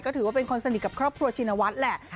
ถือว่าเป็นคนสนิทกับครอบครัวชินวัฒน์แหละ